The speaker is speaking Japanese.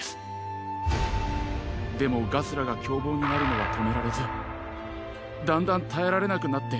でもガスラがきょうぼうになるのはとめられずだんだんたえられなくなって。